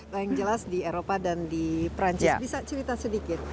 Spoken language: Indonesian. yang jelas di eropa dan di perancis bisa cerita sedikit